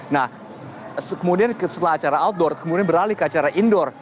nah kemudian setelah acara outdoor kemudian beralih ke acara indoor